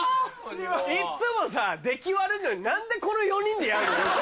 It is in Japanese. いっつもさぁ出来悪いのに何でこの４人でやるの？